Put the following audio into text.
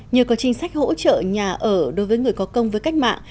nhờ có chính sách hỗ trợ nhà ở đối với người có công với cách mạng